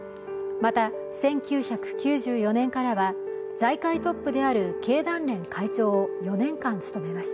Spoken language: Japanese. また、１９９４年からは、財界トップである経団連会長を４年間、務めました。